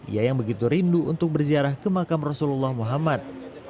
ia yang begitu rindu untuk berziarah ke makam rasulullah muhammad